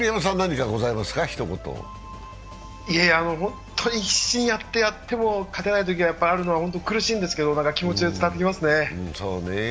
本当に必死にやっても勝てないときがあるのは苦しいんですけど、気持ちは伝わってきますね。